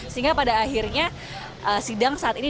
sehingga pada akhirnya sidang saat ini